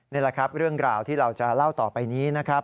นี่แหละครับเรื่องราวที่เราจะเล่าต่อไปนี้นะครับ